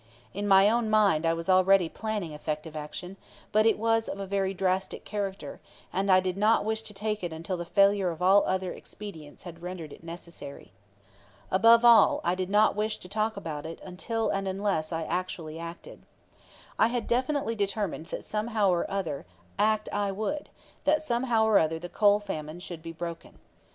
In my own mind I was already planning effective action; but it was of a very drastic character, and I did not wish to take it until the failure of all other expedients had rendered it necessary. Above all, I did not wish to talk about it until and unless I actually acted. I had definitely determined that somehow or other act I would, that somehow or other the coal famine should be broken.